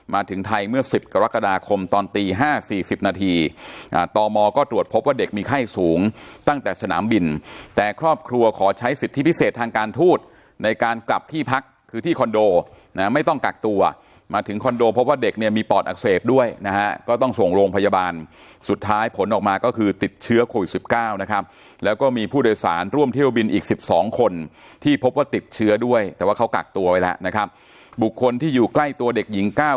มาถึงไทยเมื่อ๑๐กรกฎาคมตอนตี๕๔๐นาทีต่อมอก็ตรวจพบว่าเด็กมีไข้สูงตั้งแต่สนามบินแต่ครอบครัวขอใช้สิทธิพิเศษทางการทูดในการกลับที่พักคือที่คอนโดไม่ต้องกักตัวมาถึงคอนโดเพราะว่าเด็กเนี่ยมีปอดอักเสบด้วยนะฮะก็ต้องส่งโรงพยาบาลสุดท้ายผลออกมาก็คือติดเชื้อโควิด๑๙นะ